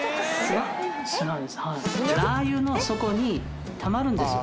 はいラー油の底にたまるんですよ